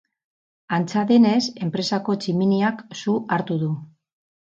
Antza denez, enpresako tximiniak su hartu du.